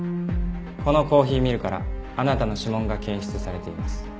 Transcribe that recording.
このコーヒーミルからあなたの指紋が検出されています。